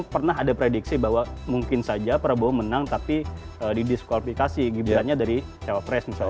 pernah ada prediksi bahwa mungkin saja prabowo menang tapi didiskualifikasi gibrannya dari capres misalnya